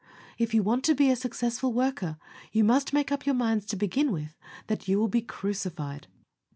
If you want to be a successful worker, you must make up your minds to begin with, that you will be CRUCIFIED.